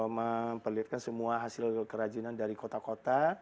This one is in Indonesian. memperlihatkan semua hasil kerajinan dari kota kota